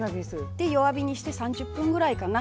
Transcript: で弱火にして３０分ぐらいかな。